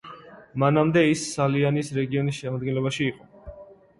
მანამდე ის სალიანის რეგიონის შემადგენლობაში იყო.